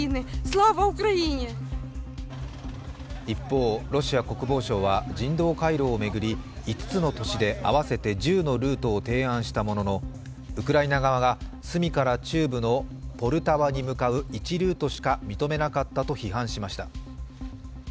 一方、ロシア国防省は人道回廊を巡り５つの都市で合わせて１０のルートを提案したものの、ウクライナ側がスミから中部のポルタバに向かう１ルートしか認めなかったと批判しました。